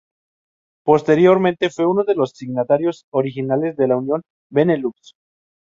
Posteriormente fue uno de los signatarios originales de la unión de Benelux.